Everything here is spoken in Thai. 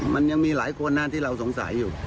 มันยังมีหลายคนนะที่เราสงสัยอยู่